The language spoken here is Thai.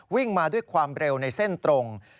วิ่งมาด้วยความเร็วในเส้นตรง